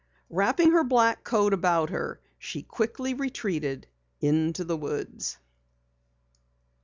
Wrapping her black coat about her, she quickly retreated into the woods.